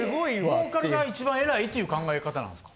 ボーカルが１番偉いっていう考え方なんですか？